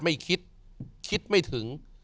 ไม่คิดคิดไม่ถึง